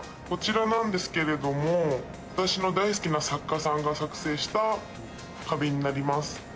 こちらなんですけれども、私の大好きな作家さんが作成した花瓶になります。